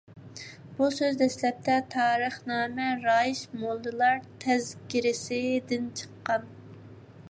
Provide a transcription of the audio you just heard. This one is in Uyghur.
بۇ سۆز دەسلەپتە «تارىخنامە رايىش موللىلار تەزكىرىسى»دىن چىققان.